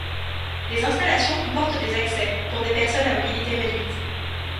Les installations comportent des accès pour des personnes à mobilité réduite.